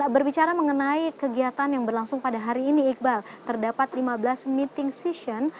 berbicara mengenai kegiatan yang berlangsung pada hari ini iqbal terdapat lima belas meeting session